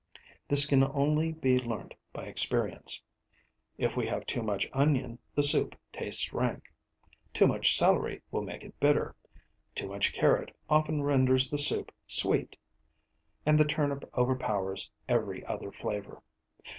This can only be learnt by experience. If we have too much onion the soup tastes rank; too much celery will make it bitter; too much carrot often renders the soup sweet; and the turnip overpowers every other flavour.